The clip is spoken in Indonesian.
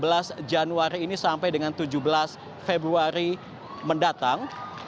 dari tujuh belas februari ini sampai dengan tujuh belas februari mendatang